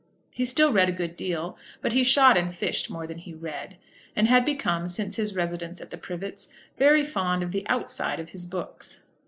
He still read a good deal; but he shot and fished more than he read, and had become, since his residence at the Privets, very fond of the outside of his books.